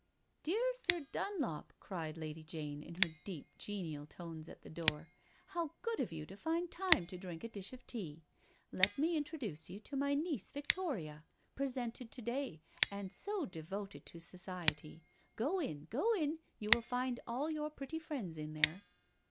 " Dear Sir Dunlop," cried Lady Jane in her deep, genial tones at the door, " how good of you to find time to drink a dish of tea. Let me introduce you to my niece Victoria. Presented to day, and so devoted to society. Go in, go in, you will find all your pretty friends in there."